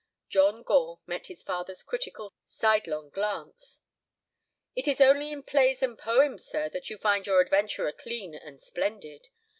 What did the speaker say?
John Gore met his father's critical sidelong glance. "It is only in plays and poems, sir, that you find your adventurer clean and splendid.